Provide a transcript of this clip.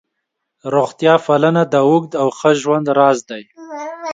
روغتیا پالنه د اوږد او ښه ژوند راز دی.